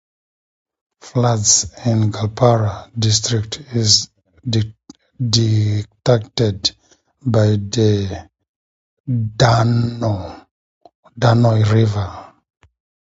Floods in Goalpara district is dictated by the Dudhnoi river.